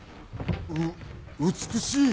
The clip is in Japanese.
う美しい！